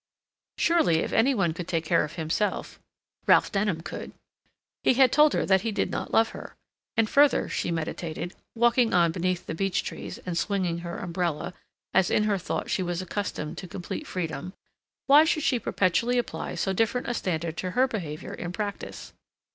Surely if any one could take care of himself, Ralph Denham could; he had told her that he did not love her. And, further, she meditated, walking on beneath the beech trees and swinging her umbrella, as in her thought she was accustomed to complete freedom, why should she perpetually apply so different a standard to her behavior in practice?